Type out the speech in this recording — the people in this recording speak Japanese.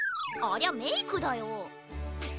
ありゃメイクだよ。